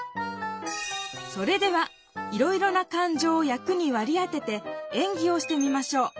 それではいろいろな感情を役にわり当てて演技をしてみましょう。